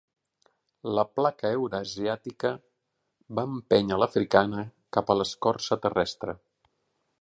La placa eurasiàtica va empènyer l'africana cap a l'escorça terrestre.